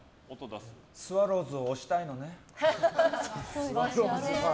スワローズを推したいのね。